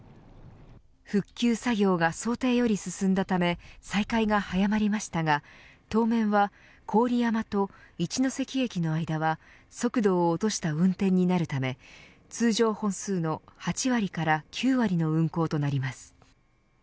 復旧作業が想定より進んだため再開が早まりましたが当面は郡山と一ノ関駅の間は速度を落とした運転になるため通常本数の８割から９割の運行となります。